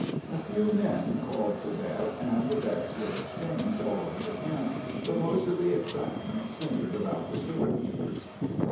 A few men called to bet, and bets were exchanged all over the camp, but most of the excitement centred about the storekeeper's.